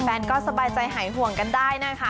แฟนก็สบายใจหายห่วงกันได้นะคะ